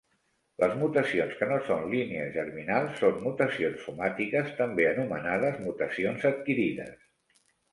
Les mutacions que no són "línies germinals" són mutacions somàtiques, també anomenades "mutacions adquirides".